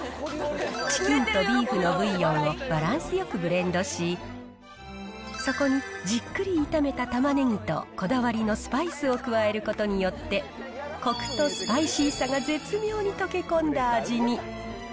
チキンとビーフのブイヨンをバランスよくブレンドし、そこにじっくり炒めたタマネギとこだわりのスパイスを加えることによって、コクとスパイシーさが絶妙に溶け込んだ味に。